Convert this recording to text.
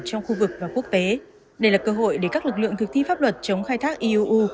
trong khu vực và quốc tế đây là cơ hội để các lực lượng thực thi pháp luật chống khai thác iuu